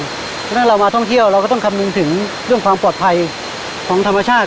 เพราะฉะนั้นเรามาท่องเที่ยวเราก็ต้องคำนึงถึงเรื่องความปลอดภัยของธรรมชาติ